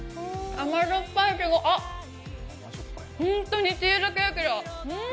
甘じょっぱいけどあっ、ホントにチーズケーキだ。